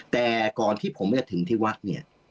แต่ก่อนที่ผมจะถึงที่วัดเนี่ย